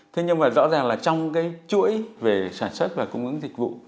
thế nhưng mà rõ ràng là trong cái chuỗi về sản xuất và cung ứng dịch vụ